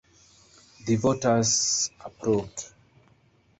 The voters approved.